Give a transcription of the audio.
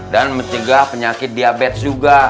dan mencegah penyakit diabetes juga